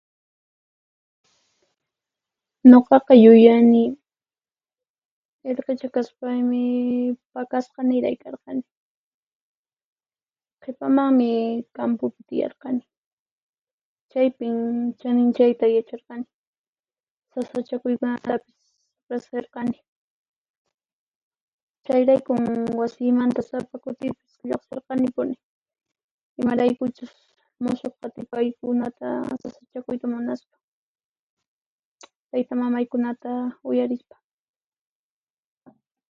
Nuqaqa yuyani: Irqicha kaspaymi pakasqa niray karqani. Qhipamanmi kampupi tiyarqani, chaypin chaninchayta yacharqani; sasachakuykunatapis riqsirqani. Chayraykun wasiymanta sapakutipis lluqsirqanipuni, imaraykuchus musuq qatipakuykunata sasachakuyta munaspa, taytamamaykunata uyarispa.